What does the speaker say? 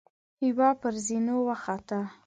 يوه پر زينو وخته.